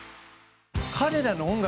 彼らの音楽